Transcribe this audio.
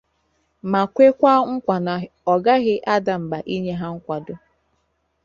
ma kwe nkwà na ọ gaghị ada mbà inye ha nkwàdo.